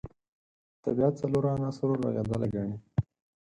طبیعت څلورو عناصرو رغېدلی ګڼي.